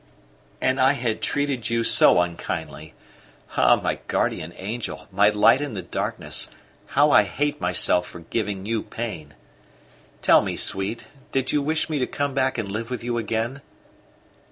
"And I had treated you so unkindly! Ah, my guardian angel, my light in the darkness, how I hate myself for giving you pain! Tell me, sweet, did you wish me to come back and live with you again?"